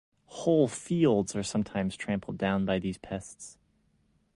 Whole fields are sometimes trampled down by these pests.